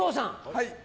はい。